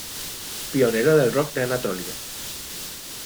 Pionero del Rock de Anatolia.